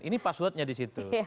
ini passwordnya di situ